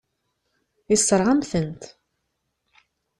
Yessṛeɣ-am-tent.